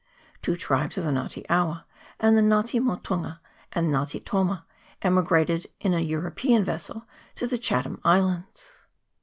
Two tribes of the Nga te awa, the Nga te motunga and Nga te toma, emigrated in a European vessel to the Chatham Islands.